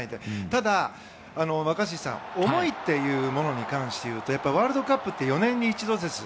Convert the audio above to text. ただ、若新さん思いというものに関して言うとワールドカップって４年に一度です。